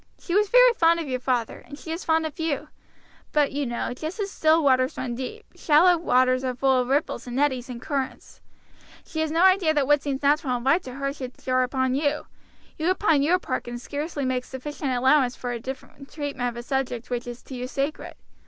She was very fond of your father, and she is fond of you; but you know, just as still waters run deep, shallow waters are full of ripples, and eddies, and currents. She has no idea that what seems natural and right to her should jar upon you. You upon your part can scarcely make sufficient allowance for her different treatment of a subject which is to you sacred.